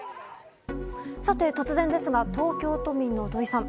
さて、突然ですが東京都民の土井さん